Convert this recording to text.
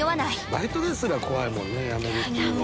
バイトですら怖いもんね辞めるっていうのは。